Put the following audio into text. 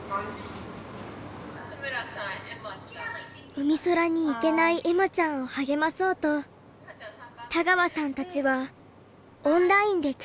うみそらに行けない恵麻ちゃんを励まそうと田川さんたちはオンラインでつながります。